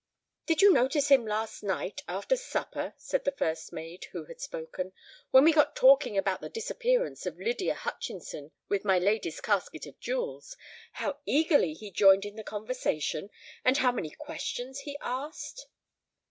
"Did you notice him last night, after supper," said the first maid who had spoken, "when we got talking about the disappearance of Lydia Hutchinson with my lady's casket of jewels, how eagerly he joined in the conversation, and how many questions he asked?"